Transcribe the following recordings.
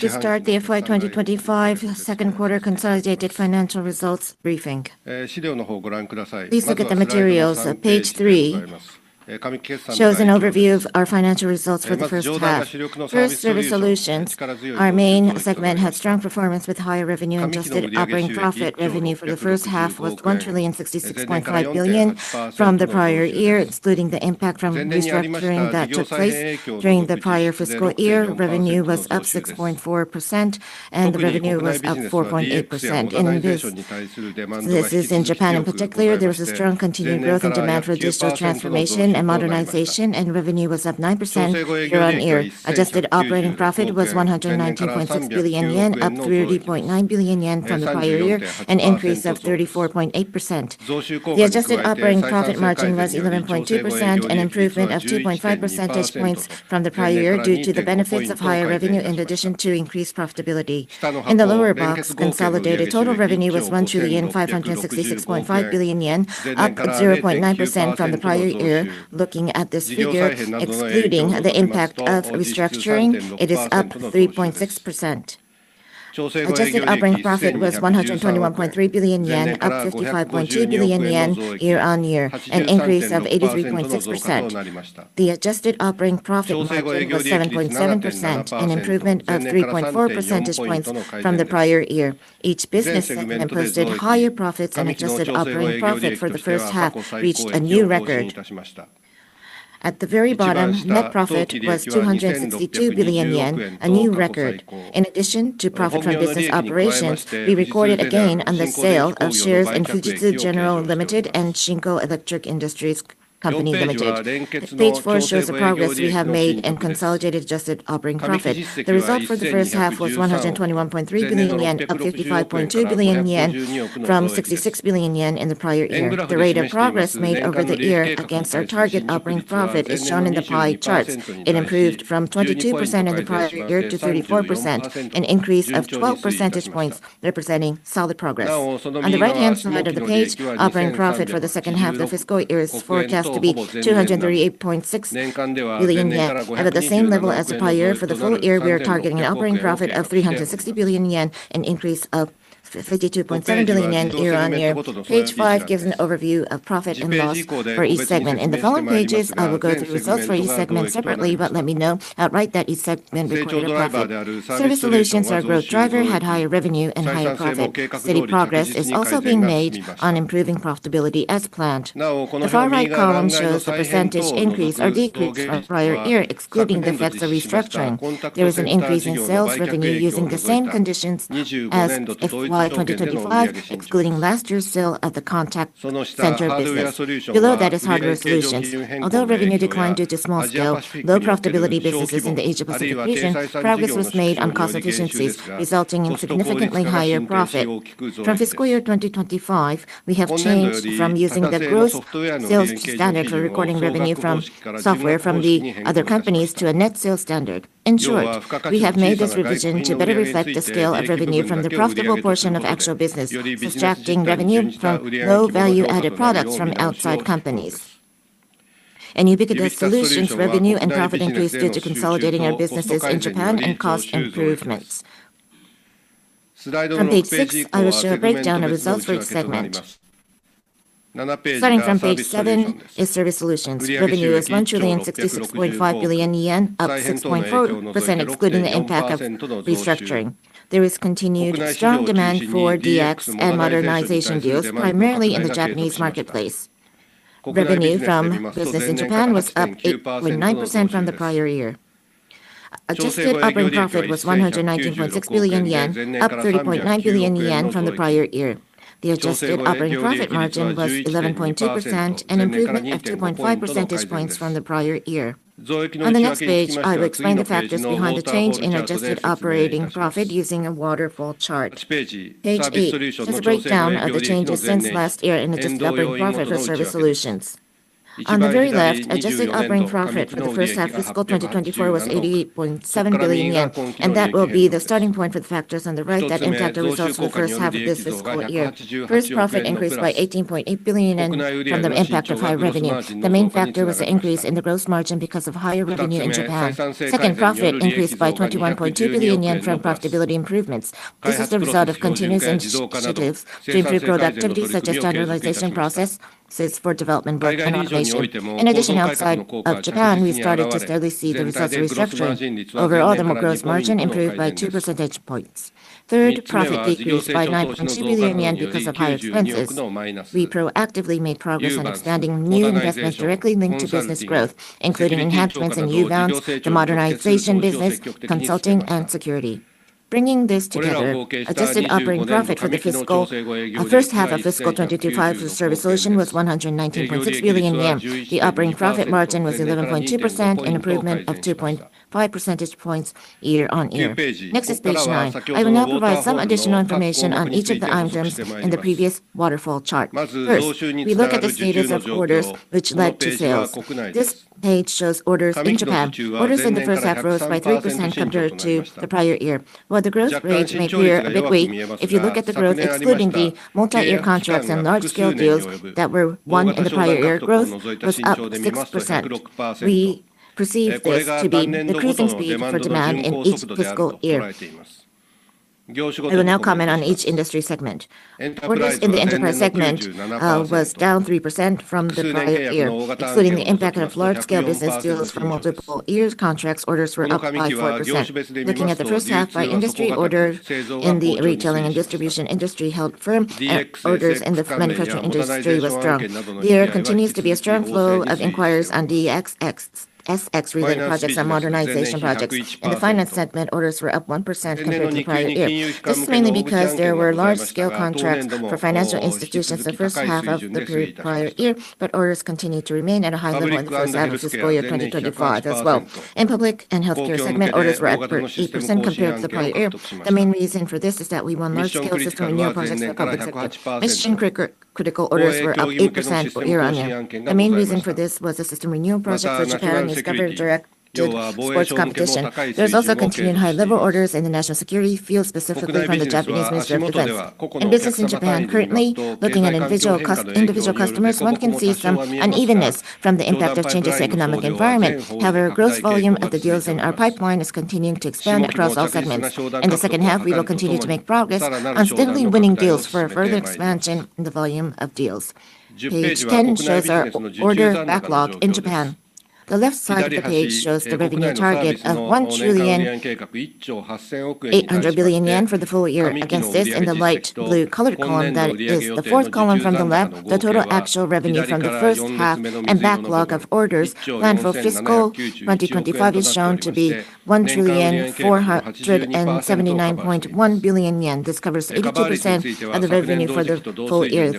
To start the FY 2025 second quarter consolidated financial results briefing, please look at the materials. Page three shows an overview of our financial results for the first half. First, Service Solutions, our main segment, had strong performance with higher revenue. Adjusted operating profit revenue for the first half was 1,066.5 billion from the prior year. Excluding the impact from restructuring that took place during the prior fiscal year, revenue was up 6.4% and the revenue up 4.8%. In this, in Japan in particular, there was a strong continued growth in demand for digital transformation and modernization, and revenue was up 9% year-on-year. Adjusted operating profit was 119.6 billion yen, up 30.9 billion yen from the prior year, an increase of 34.8%. The adjusted operating profit margin was 11.2%, an improvement of 2.5 percentage points from the prior year due to the benefits of higher revenue in addition to increased profitability. In the lower box, consolidated total revenue was 1,566.5 billion yen, up 0.9% from the prior year. Looking at this figure, excluding the impact of restructuring, it is up 3.6%. Adjusted operating profit was 121.3 billion yen, up 55.2 billion yen year-on-year, an increase of 83.6%. The adjusted operating profit margin was 7.7%, an improvement of 3.4 percentage points from the prior year. Each business posted higher profits and adjusted operating profit for the first half reached a new record. At the very bottom, net profit was 262 billion yen, a new record. In addition to profit from business operations, we recorded a gain on the sale of shares in FUJITSU GENERAL LIMITED and SHINKO ELECTRIC INDUSTRIES CO., LTD. Page four shows the progress we have made in consolidated adjusted operating profit. The result for the first half was 121.3 billion yen, up 55.2 billion yen, 66 billion yen in the prior year. The rate of progress made over the year against our target operating profit is shown in the pie charts. It improved from 22% in the prior year to 34%, an increase of 12 percentage points, representing solid progress. On the right-hand side of the page, operating profit for the second half of the fiscal year is forecast to be 238.6 billion yen at the same level as the prior year. For the full year, we are targeting an operating profit of 360 billion yen, an increase of 52.7 billion yen year-on-year. Page five gives an overview of profit and loss for each segment. In the following pages, I will go through results for each segment separately, but let me note outright that each segment reported a profit. Service Solutions are a growth driver, had higher revenue and higher profit. Steady progress is also being made on improving profitability as planned. The far right column shows the percentage increase or decrease from prior year excluding the effects of restructuring. There is an increase in sales revenue using the same conditions as FY 2025 excluding investors still at the contact center business. Below that is Hardware Solutions. Although revenue declined due to small scale low profitability businesses in the Asia Pacific region, progress was made on cost efficiencies resulting in significantly higher profit. From fiscal year 2025, we have changed from using the gross sales standard for recording revenue from software from the other companies to a net sales standard. In short, we have made this revision to better reflect the scale of revenue from the profitable portion of actual business, extracting revenue from low value added products from outside companies and Ubiquitous Solutions. Revenue and profit increase due to consolidating our businesses in Japan and cost improvements. From page six, I will show a breakdown of results for each segment. Starting from page seven is Service Solutions. Revenue is 1,066.5 billion yen, up 6.4% excluding the impact of restructuring. There is continued strong demand for DX and modernization deals primarily in the Japanese marketplace. Revenue from business in Japan was up 8.9% from the prior year. Adjusted operating profit was 119.6 billion yen, up 30.9 billion yen from the prior year. The adjusted operating profit margin was 11.2%, an improvement of 2.5 percentage points from the prior year. On the next page, I will explain the factors behind the change in adjusted operating profit using a waterfall chart. Page E is a breakdown of the changes since last year in the discovery profit for Service Solutions. On the very left, adjusted operating profit for the first half fiscal 2024 was 88.7 billion yen and that will be the starting point for the factors on the right that impact the results in the first half of this fiscal year. First, profit increased by 18.8 billion yen from the impact of high revenue. The main factor was the increase in the gross margin because of higher revenue in Japan. Second, profit increased by 21.2 billion yen from profitability improvements. This is the result of continuous initiatives to improve productivity such as standardization process for development work. In addition, outside of Japan, we started to steadily see the results of restructuring. Overall, the gross margin improved by 2 percentage points. Third profit decreased by 9.2 billion yen because of higher expenses. We proactively made progress on expanding new investments directly linked to business growth including enhancements in new bounds, the modernization, business consulting, and security. Bringing this together, adjusted operating profit for the first half of fiscal 2025 Service Solutions was 119.6 billion yen. The operating profit margin was 11.2%, an improvement of 2.5 percentage points year-on-year. Next is page nine. I will now provide some additional information on each of the items in the previous waterfall chart. First, we look at the status of orders which led to sales. This page shows orders in Japan. Orders in the first half rose by 3% compared to the prior year. While the growth rate may appear a bit weak, if you look at the growth excluding the multi-year contracts and large-scale deals that were won in the prior year, growth was up 6%. We perceive this to be decreasing speed for demand in each fiscal year. We will now comment on each industry segment. Orders in the Enterprise segment was down 3% from the prior year. Including the impact of large-scale business deals for multiple years contracts, orders were up. Looking at the first half by industry, order in the retailing and distribution industry held firm. Orders in the manufacturing industry was strong. There continues to be a strong flow of inquiries on digital transformation related projects or modernization projects, and the finance segment orders were up 1% compared to the prior year. This is mainly because there were large-scale contracts for financial institutions the first half of the prior year, but orders continue to remain at a high level in the first half of 2025 as well. In public and healthcare segment, orders were at 8% compared to the prior year. The main reason for this is that we won large-scale system and new projects. Critical orders were up 8% year-on-year. The main reason for this was a system renewal project for Japanese government-directed sports competition. There is also continuing high-level orders in the national security field, specifically from the Japanese Ministry of Defense in business in Japan currently. Looking at individual customers, one can see some unevenness from the impact of changes to the economic environment. However, gross volume of the deals in our pipeline is continuing to expand across all segments. In the second half, we will continue to make progress on steadily winning deals for further expansion in the volume of deals. Page 10 shows our order backlog in Japan. The left side of the page shows the revenue target of 1,800,000,000,000 yen for the full year. Against this, in the light blue colored column that is the fourth column from the left, the total actual revenue from the first half and backlog of orders planned for fiscal 2025 is shown to be 1,479.1 billion yen. This covers 82% of the revenue for the full year.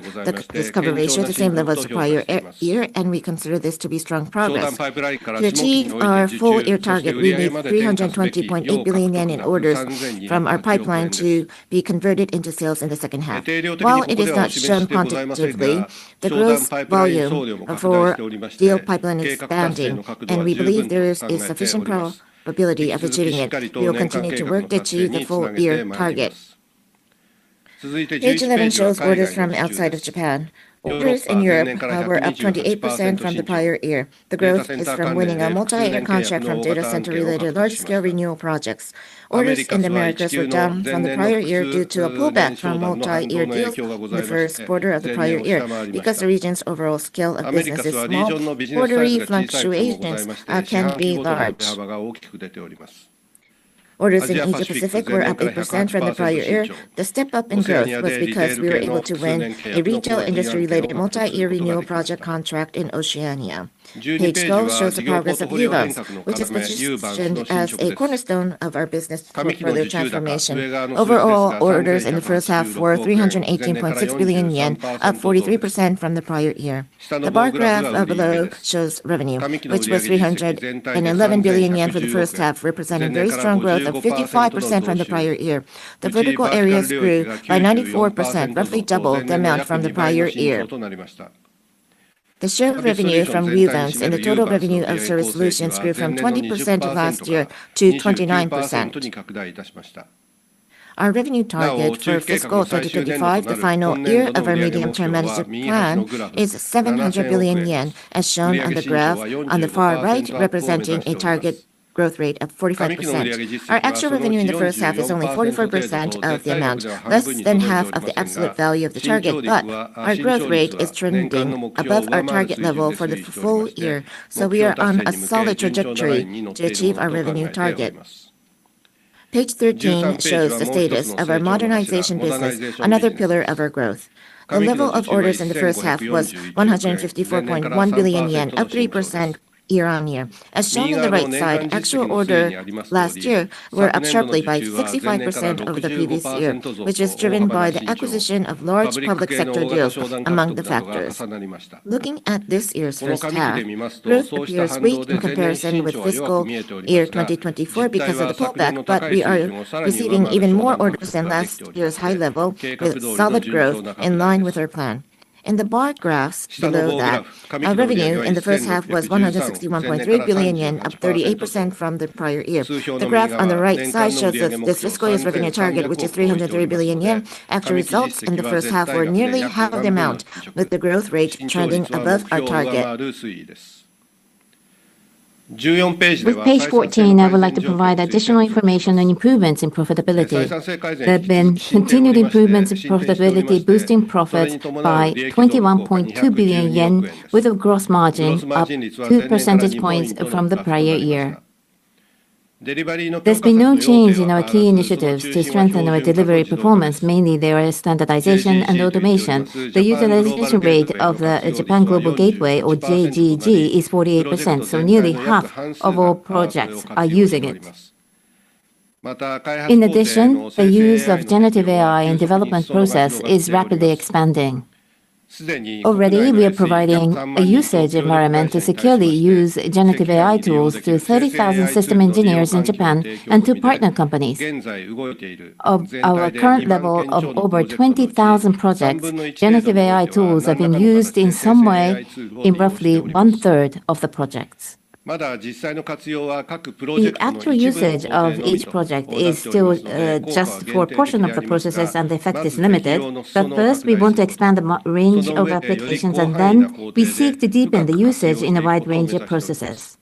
This cover ratio is the same level as the prior year, and we consider this to be strong progress to achieve our year target. We need 320.8 billion yen in orders from our pipeline to be converted into sales in the second half. While it is not the gross volume of our deal pipeline expanding and we believe there is a sufficient probability of achieving it, we will continue to work to achieve the full year target. Page 11 shows orders from outside of Japan. Orders in Europe were up 28% from the prior year. The growth is from winning a multi-year contract from data center related large scale renewal projects. Orders in the Americas were down from the prior year due to a pullback from a multi-year deal in the first quarter of the prior year because the region's overall scale of orderly Fujitsu agents can be large. Orders in Asia Pacific were up 8% from the prior year. The step up in growth was because we were able to win a retail industry related multi-year renewal project contract in Oceania. Page 12 shows the progress of Uvance which is positioned as a cornerstone of our business portfolio transformation. Overall orders in the first half were 318.6 billion yen, up 43% from the prior year. The bar graph below shows revenue, which was 311 billion yen for the first half, representing very strong growth of 55% from the prior year. The vertical areas grew by 94%, roughly double the amount from the prior year. The shared revenue from Revamps and the total revenue of Service Solutions grew from 20% last year to 29%. Our revenue target for fiscal 2025, the final year of our mid-term management plan, is 700 billion yen as shown on the graph on the far right, representing a target growth rate of 45%. Our actual revenue in the first half is only 44% of the amount, less than half of the absolute value of the target. Our growth rate is trending above our target for the full year, so we are on a solid trajectory to achieve our revenue target. Page 13 shows the status of our modernization business, another pillar of our growth. The level of orders in the first half was 154.1 billion yen, up 3% year-on-year. As shown on the right side, actual orders last year were up sharply by 65% over the previous year, which is driven by the acquisition of large public sector deals. Among the factors, looking at this year's first half, this year is weak in comparison with fiscal year 2024 because of the pullback, but we are receiving even more orders than last year's high level with solid growth in line with our plan. In the bar graphs below, our revenue in the first half was 161.3 billion yen, up 38% from the prior year. The graph on the right side shows that this viscous revenue target, which is 330 billion yen, actual results in the first half were nearly half the amount, with the growth rate trending above our target. With page 14, I would like to provide additional information on improvements in profitability. There have been continued improvements in profitability, boosting profits by 21.2 billion yen with a gross margin up 2% from the prior year. There's been no change in our key initiatives to strengthen our delivery performance. Mainly there is standardization and automation. The utilization rate of the Japan Global Gateway, or JGG, is 48%, so nearly half of all projects are using it. In addition, the use of generative AI in the development process is rapidly expanding. Already we are providing a usage environment to securely use generative AI tools to 30,000 system engineers in Japan and to partner companies. Of our current level of over 20,000 projects, generative AI tools have been used in some way in roughly one third of the projects. The actual usage of each project is still just for a portion of the processes and the effect is limited. First we want to expand the range of applications and then we seek to deepen the usage in a wide range of processes.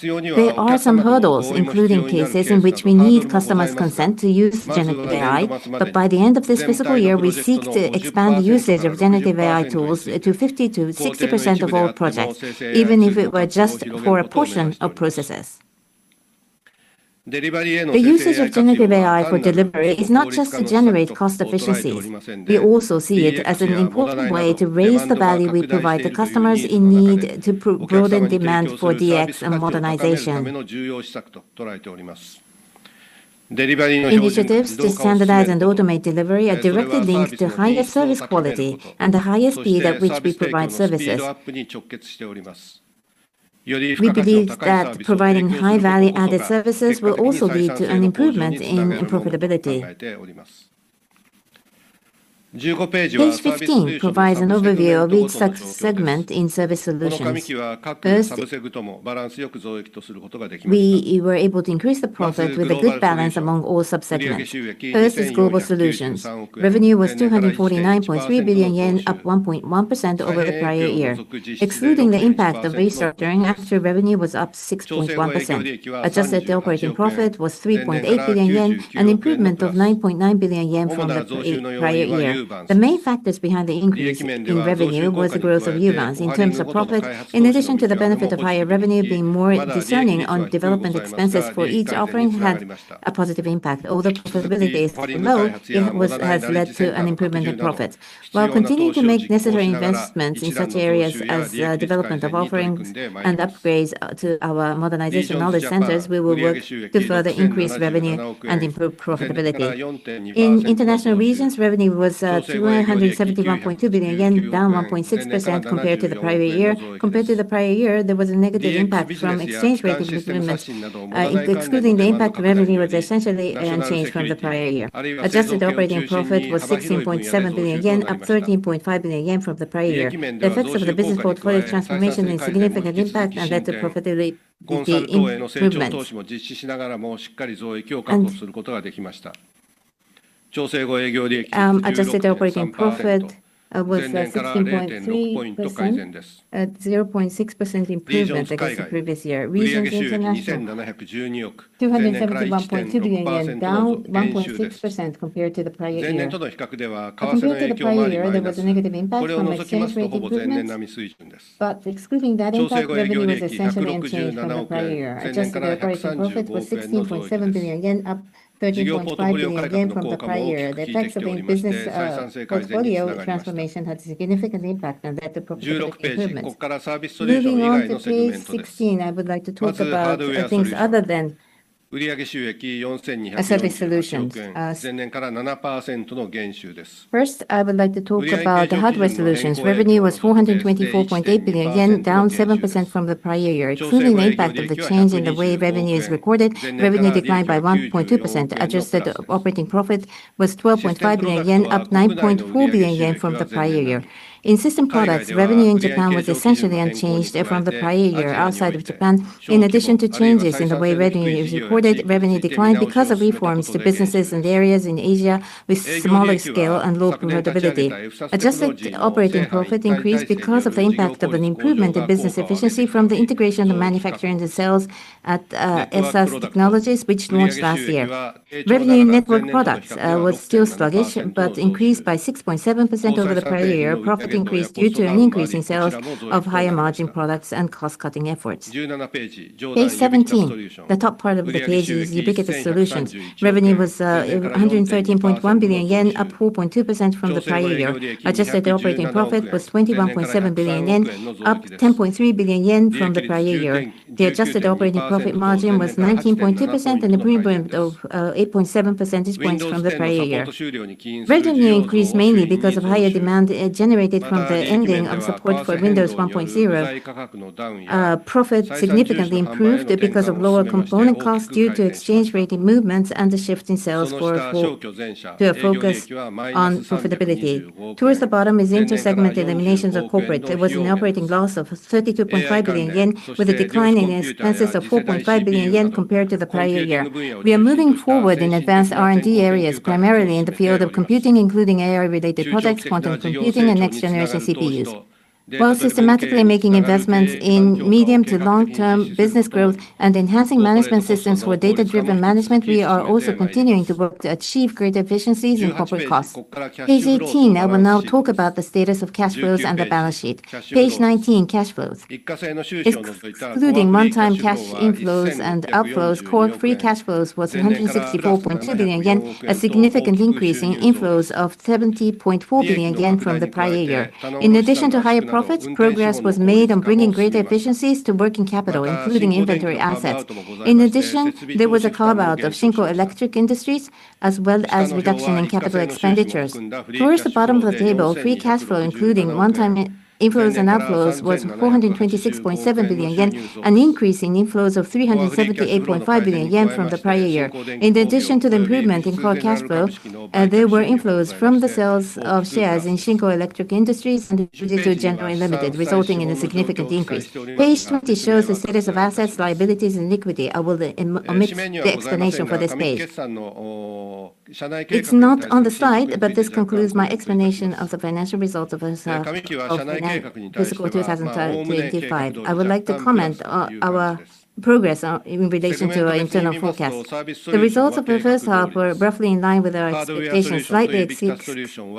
There are some hurdles, including cases in which we need customers' consent to use generative AI. By the end of this fiscal year, we seek to expand usage of generative AI tools to 50%-60% of all projects, even if it were just for a portion of processes. The usage of generative AI for delivery is not just to generate cost efficiencies. We also see it as an important way to raise the value we provide to customers in need to broaden demand for digital transformation and modernization. Initiatives to standardize and automate delivery are directly linked to higher service quality and the highest speed at which we provide services. We believe that providing high value-added services will also lead to an improvement in profitability. Page 15 provides an overview of each segment. In Service Solutions. We were able to. Increase the profit with a good balance among all subsegments. First is Global Solutions. Revenue was 249.3 billion yen, up 1.1% over the prior year. Excluding the impact of restructuring, actual revenue was up 6.1%. Adjusted operating profit was 3.8 billion yen, an improvement of 9.9 billion yen from the prior year. The main factors behind the increase in revenue was the growth of Uvance in terms of profit in addition to the benefit of higher revenue. Being more discerning on development expenses for each offering had a positive impact. Although profitability is low, has led to an improvement in profits. While continuing to make necessary investments in such areas as development of offerings and upgrades to our modernization knowledge centers, we will work to further increase revenue and improve profitability in international regions. Revenue was 171.2 billion yen, down 1.6% compared to the prior year. Compared to the prior year, there was a negative impact from exchange rate. Excluding the impact of revenue was essentially from the prior year. Adjusted operating profit was 16.7 billion yen, up 13.5 billion yen from the prior year. Effects of the business portfolio transformation and significant impact and led to profitability improvement. Adjusted operating profit was 0.6% improvement against the previous year 271.2 billion yen, down 1.6%. Compared to the prior year. There was. A negative impact. Excluding that from. The prior year, the effects of business portfolio transformation had significant impact on that. I would like to talk about things other than Service Solutions. First, I would like to talk about the Hardware Solutions. Revenue was 424.8 billion yen, down 7% from the prior year. Including the impact of the change in the way revenue is recorded, revenue declined by 1.2%. Adjusted operating profit was 12.5 billion yen, up 9.4 billion yen from the prior year. In System Products, revenue in Japan was essentially unchanged from the prior year. Outside of Japan, in addition to changes in the way revenue is reported, revenue declined because of reforms to businesses and areas in Asia Pacific with smaller scale and low profitability. Adjusted operating profit increased because of the impact of an improvement in business efficiency from the integration of manufacturing. The sales at Fsas Technologies, which launched last year, revenue in Network Products was still sluggish but increased by 6.7% over the prior year. Profit increased due to an increase in sales of higher margin products and cost cutting efforts. The top part of the page, Ubiquitous Solutions revenue was 113.1 billion yen, up 4.2% from the prior year. Adjusted operating profit was 21.7 billion yen, up 10.3 billion yen from the prior year. The adjusted operating profit margin was 19.2%, an improvement of 8.7 percentage points from the prior year. Revenue increased mainly because of higher demand generated from the ending of support for Windows 10. Profit significantly improved because of lower component costs due to exchange rate movements and the shift in sales for a focus on profitability. Towards the bottom is inter-segment eliminations of corporate. It was an operating loss of 32.5 billion yen with a decline in expenses of 4.5 billion yen compared to the prior year. We are moving forward in advanced R&D areas, primarily in the field of computing, including AI-related products, quantum computing, and next generation CPUs, while systematically making investments in medium to long term business growth and enhancing management systems for data-driven management. We are also continuing to work to achieve greater efficiencies in corporate costs. I will now talk about the status of cash flows and the balance sheet. Cash flows including one-time cash inflows and outflows. Core free cash flows was 164.2 billion yen, a significant increase in inflows of 70.4 billion yen from the prior year. In addition to higher profits, progress was made on bringing greater efficiencies to working capital, including inventory assets. There was a carve out of SHINKO ELECTRIC INDUSTRIES as well as reduction in capital expenditures towards the bottom of the table. Free cash flow including one-time inflows and outflows was 426.7 billion yen, an increase in inflows of 378.5 billion yen from the prior year. In addition to the improvement in forecast flow, there were inflows from the sales of shares in SHINKO ELECTRIC INDUSTRIES and FUJITSU GENERAL LIMITED, resulting in a significant increase. Page 20 shows the status of assets, liabilities, and equity. I will omit the explanation for this page. It's not on the slide, but this concludes my explanation of the financial results of this fiscal 2025. I would like to comment on our progress in relation to our internal forecast. The results of the first half were roughly in line with our expectations, slightly exceeding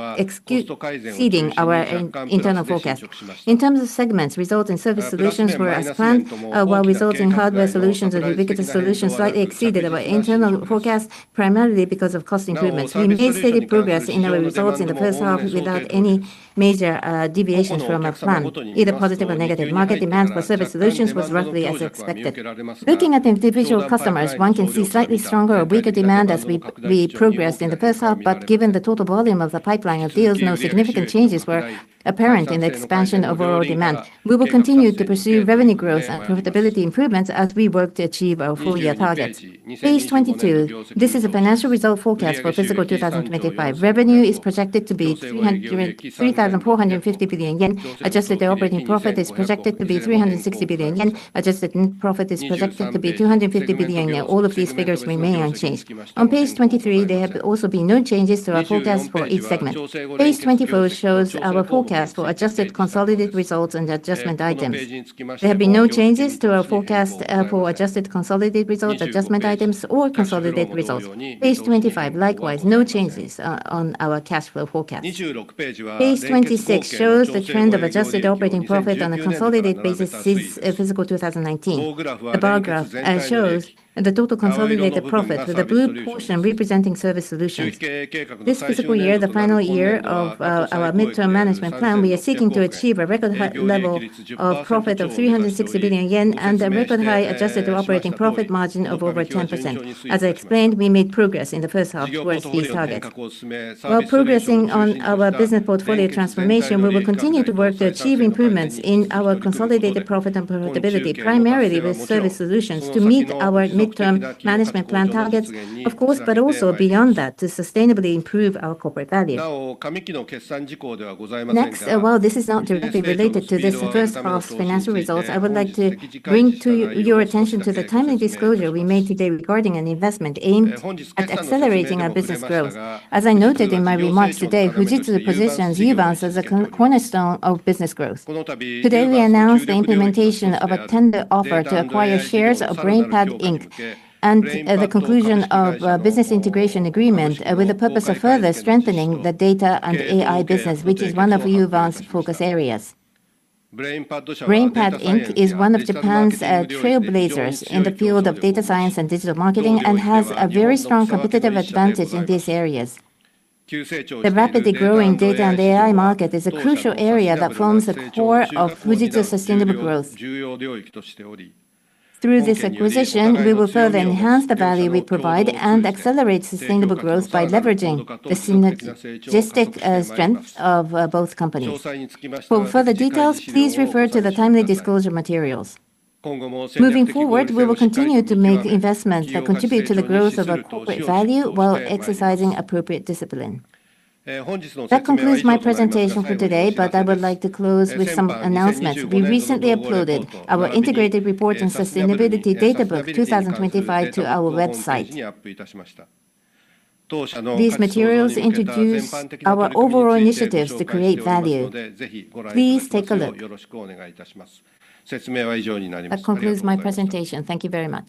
our internal forecast. In terms of segments, results in Service Solutions were as planned, while results in Hardware Solutions and Ubiquitous Solutions slightly exceeded our internal forecast, primarily because of cost improvements. We made steady progress in our results in the first half without any major deviations from our plan, either positive or negative. Market demand for Service Solutions was roughly as expected. Looking at individual customers, one can see slightly stronger or weaker demand as we progressed in the first half, but given the total volume of the pipeline of deals, no significant changes were apparent in the expansion of our demand. We will continue to pursue revenue growth and profitability improvements as we work to. Achieve our full year targets. Page 22, this is a financial result forecast for fiscal 2025. Revenue is projected to be 3,450 billion yen. Adjusted operating profit is projected to be 360 billion yen. Adjusted Net Profit is projected to be 250 billion yen. All of these figures remain unchanged on page 23. There have also been no changes to our forecast for each segment. Page 24 shows our forecast for adjusted consolidated results and adjustment items. There have been no changes to our forecast for adjusted consolidated results, adjustment items, or consolidated results. Page 25, likewise, no changes on our cash flow forecast. Page 26 shows the trend of adjusted operating profit on a consolidated basis since fiscal 2019. The bar graph shows the total consolidated profit with a blue portion representing Service Solutions. This fiscal year, the final year of our mid-term management plan, we are seeking to achieve a record high level of profit of 360 billion yen and a record high adjusted operating profit margin of over 10%. As I explained, we made progress in the first half towards these targets while progressing on our business portfolio transformation. We will continue to work to achieve improvements in our consolidated profit and profitability, primarily Service Solutions, to meet our mid-term management plan targets, of course, but also beyond that to sustainably improve our corporate value. Next, this is not directly related to this first half financial results. I would like to bring your attention to the timely disclosure we made today regarding an investment aimed at accelerating our business growth. As I noted in my remarks today, Fujitsu positions Ubiquitous Solutions as a cornerstone of business growth. Today, we announced the implementation of a tender offer to acquire shares of BrainPad Inc. and the conclusion of a business integration agreement with the purpose of further strengthening the data and AI business, which is one of Ubiquitous Solutions' focus areas. BrainPad Inc. is one of Japan's trailblazers in the field of data science and digital marketing and has a very strong competitive advantage in these areas. The rapidly growing data and AI market is a crucial area that forms the core of Fujitsu's sustainable growth. Through this acquisition, we will further enhance the value we provide and accelerate sustainable growth by leveraging the synergistic strength of both companies. For further details, please refer to the timely disclosure materials. Moving forward, we will continue to make investments that contribute to the growth of our corporate value while exercising appropriate discipline. That concludes my presentation for today, but I would like to close with some announcements. We recently uploaded our Integrated Report and Sustainability Data Book 2025 to our website. These materials introduce our overall initiatives to create value. Please take a look. That concludes my presentation. Thank you very much.